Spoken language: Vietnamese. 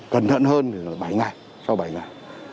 cẩn thận hơn thì là bảy ngày sau bảy ngày